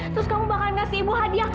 terus kamu bakal ngasih ibu hadiah